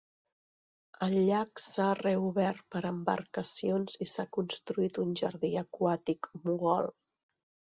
El llac s'ha reobert per a embarcacions i s"ha construït un jardí aquàtic mogol.